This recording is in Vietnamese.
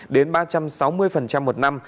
đến ba trăm sáu mươi một năm